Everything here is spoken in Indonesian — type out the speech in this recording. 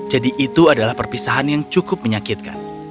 jadi itu adalah perpisahan yang cukup menyakiti mereka untuk pergi ke dunia ini